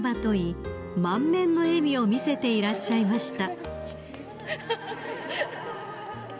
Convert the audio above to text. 満面の笑みを見せていらっしゃいました］